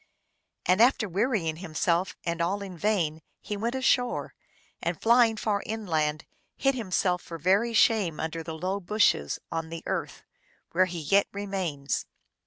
And after wearying himself and all in THE PARTRIDGE. 295 vain, he went ashore, and, flying far inland, hid him self for very shame under the low bushes, on the earth, where he yet remains.